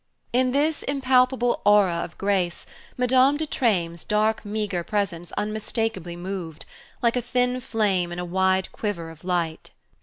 In this impalpable aura of grace Madame de Treymes' dark meagre presence unmistakably moved, like a thin flame in a wide quiver of light.